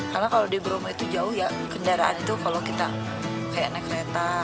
karena kalau di bromo itu jauh kendaraan itu kalau kita naik kereta